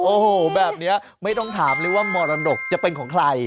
โอ้โหแบบนี้ไม่ต้องถามเลยว่ามรดกจะเป็นของใคร